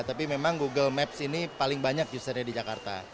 tapi memang google maps ini paling banyak usernya di jakarta